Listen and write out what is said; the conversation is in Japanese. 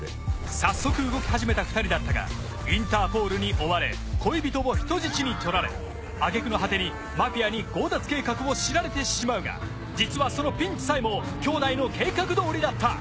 早速動き始めた２人だったがインターポールに追われ恋人を人質にとられあげくの果てにマフィアに強奪計画を知られてしまうが実はそのピンチさえも兄弟の計画どおりだった。